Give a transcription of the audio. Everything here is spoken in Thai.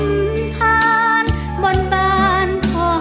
หัวใจเหมือนไฟร้อน